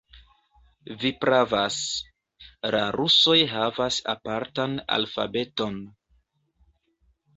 Vi pravas; la rusoj havas apartan alfabeton.